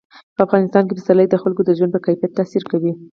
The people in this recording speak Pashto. په افغانستان کې پسرلی د خلکو د ژوند په کیفیت تاثیر کوي.